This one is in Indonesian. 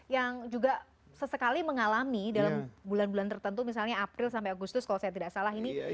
yang juga sesekali mengalami dalam bulan bulan tertentu misalnya april sampai agustus kalau saya tidak salah ini